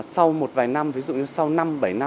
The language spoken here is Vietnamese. sau một vài năm ví dụ như sau năm bảy năm